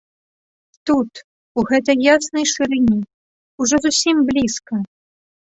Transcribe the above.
Тут, у гэтай яснай шырыні, ужо зусім блізка!